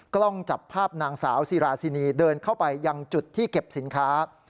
กล้องจับภาพนางสาวซีราซินีเดินเข้าไปยังจุดที่เก็บสินค้า